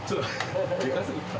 でかすぎた？